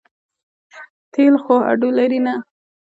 تېل خو هډو لري نه.